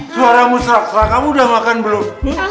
suara musraka kamu udah makan belum